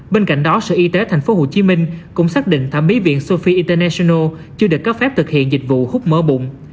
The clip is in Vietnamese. bên cạnh đó sở y tế tp hcm cũng xác định thảm mỹ viện sophia international chưa được có phép thực hiện dịch vụ hút mớ bụng